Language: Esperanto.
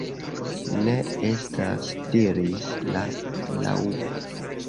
"Ne estas," diris la Raŭpo.